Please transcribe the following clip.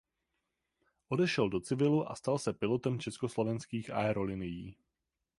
Odešel do civilu a stal se pilotem Československých aerolinií.